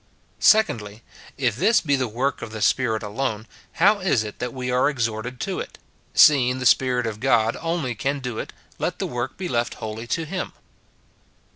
Secondly. If this be the work of the Spirit alone, how is it that we are exhorted to it ?— seeing the Spirit of God only can do it, let the work be left wholly to him.